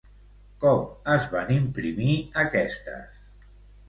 Com es van imprimir aquestes?